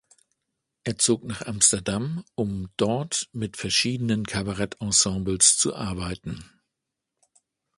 Er zog nach Amsterdam, um dort mit verschiedenen Kabarett-Ensembles zu arbeiten.